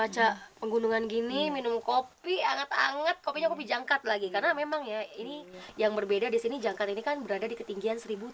jangan lupa untuk menikmati video ini